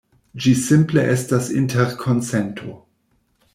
Ĝi simple estas interkonsento.